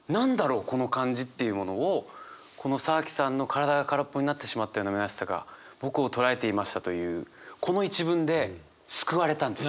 この感じっていうものをこの沢木さんの「体が空っぽになってしまったような虚しさが僕をとらえていました」というこの一文で救われたんですよ。